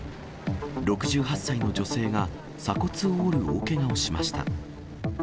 ６８歳の女性が鎖骨を折る大けがをしました。